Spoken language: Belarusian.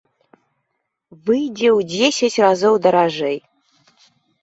Выйдзе ў дзесяць разоў даражэй.